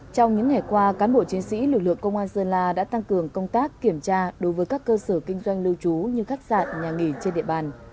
trong những ngày qua cán bộ chiến sĩ lực lượng công an sơn la đã tăng cường công tác kiểm tra đối với các cơ sở kinh doanh lưu trú như khách sạn nhà nghỉ trên địa bàn